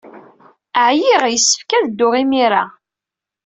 Ɛyiɣ. Yessefk ad dduɣ imir-a.